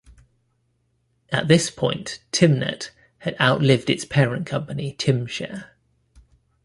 At this point, Tymnet had outlived its parent company Tymshare.